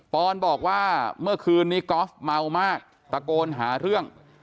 ออนบอกว่าเมื่อคืนนี้กอล์ฟเมามากตะโกนหาเรื่อง